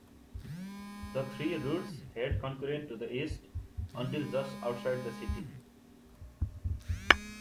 The three routes head concurrent to the east, until just outside the city.